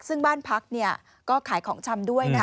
ซึ่งบ้านพักค่ายของชมด้วย